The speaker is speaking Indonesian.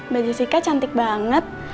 mbak jessica cantik banget